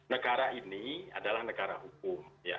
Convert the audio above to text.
negara ini adalah negara hukum